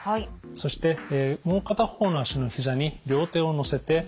そしてもう片方の足のひざに両手をのせて。